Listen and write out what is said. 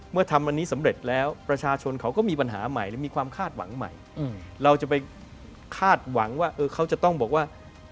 ทำอันนี้สำเร็จแล้วประชาชนเขาก็มีปัญหาใหม่หรือมีความคาดหวังใหม่เราจะไปคาดหวังว่าเขาจะต้องบอกว่า